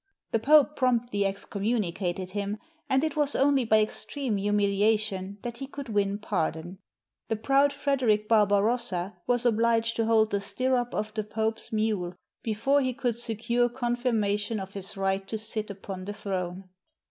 The Pope promptly excommunicated him, and it was only by extreme humiliation that he could win pardon. The proud Frederick Barbarossa was obhged to hold the stirrup of the Pope's mule before he could secure confirmation of his right to sit upon the throne.